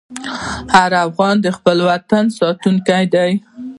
هر افغان د خپل وطن ساتونکی دی.